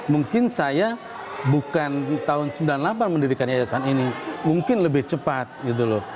mungkin saya bukan tahun sembilan puluh delapan mendirikan yayasan ini mungkin lebih cepat gitu loh